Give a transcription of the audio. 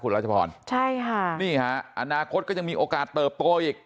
รัชพรใช่ค่ะนี่ฮะอนาคตก็ยังมีโอกาสเติบโตอีก